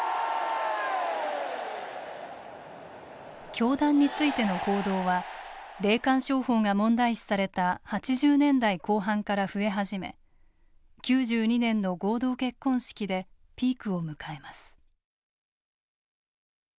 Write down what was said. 教団についての報道は霊感商法が問題視された８０年代後半から増え始め９２年の合同結婚式でピークを迎えます。